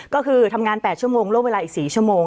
ก็คือทำงาน๘ชั่วโมงร่วมเวลาอีก๔ชั่วโมง